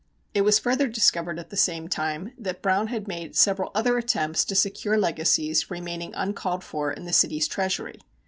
It was further discovered at the same time that Browne had made several other attempts to secure legacies remaining uncalled for in the city's treasury.